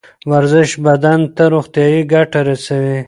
ورزش بدن ته روغتیایی ګټه رسوي